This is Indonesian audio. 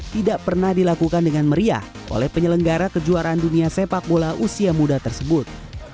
tidak pernah dilakukan dengan meriah oleh penyelenggara kejuaraan dunia sepak bola usia muda tersebut